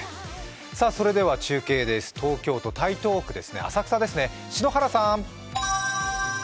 それでは中継です、東京都台東区、浅草ですね、篠原さん。